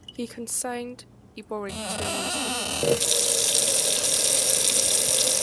He consigned Eboric to a monastery.